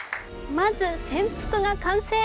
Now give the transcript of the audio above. まず船腹が完成。